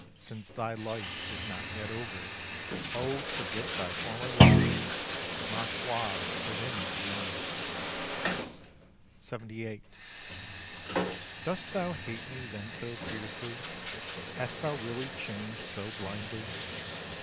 Since thy life is not yet over, Oh forget thy former lover, Ma foi! within mine arms. LXXVIII. Dost thou hate me then so fiercely, Hast thou really changed so blindly?